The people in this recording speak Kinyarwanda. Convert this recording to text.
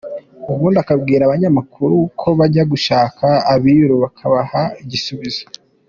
Ubundi akabwira abanyamakuru ko bajya gushaka abiru bakabaha igisubizo.